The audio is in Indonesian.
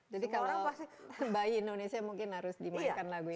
jadi kalau bayi indonesia mungkin harus dimainkan lagu ini